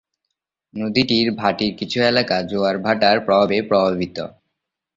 নদীটির ভাটির কিছু এলাকা জোয়ার ভাটার প্রভাবে প্রভাবিত।